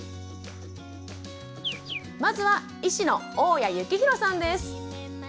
まずは医師の大矢幸弘さんです。